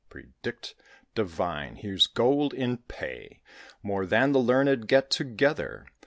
"Predict divine; here's gold in pay, More than the learned get together."